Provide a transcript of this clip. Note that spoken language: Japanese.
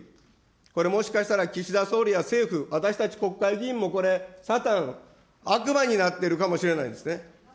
これ、もしかしたら、岸田総理や政府、私たち国会議員もこれ、サタン、悪魔になってるかもしれないですね。